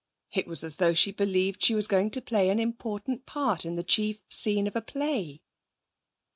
It was as though she believed she was going to play an important part in the chief scene of a play.